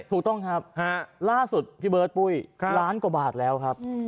ถูกต้องครับล่าสุดพี่เบิร์ตปุ้ยล้านกว่าบาทแล้วครับ